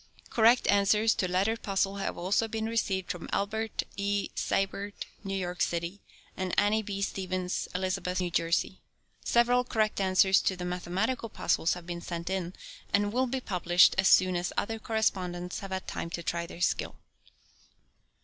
Correct answers to letter puzzle have also been received from Albert E. Seibert, New York city, and Annie B. Stephens, Elizabeth, New Jersey. Several correct answers to the mathematical puzzles have been sent in, and will be published as soon as other correspondents have had time to try their skill.